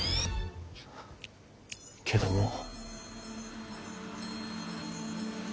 けどもう。